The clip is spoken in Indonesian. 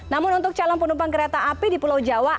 namun untuk calon penumpang kereta api di pulau jawa